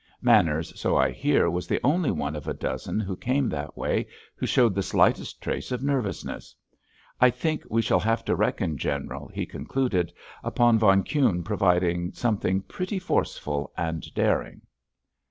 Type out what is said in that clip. Manners, so I hear, was the only one of a dozen who came that way who showed the slightest trace of nervousness. I think we shall have to reckon, General," he concluded, "upon von Kuhne providing something pretty forceful and daring!"